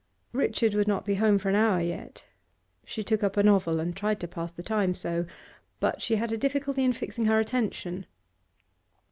Richard would not be home for an hour yet; she took up a novel and tried to pass the time so, but she had a difficulty in fixing her attention.